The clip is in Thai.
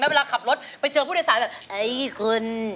เวลาขับรถไปเจอผู้โดยสารแบบไอ้คน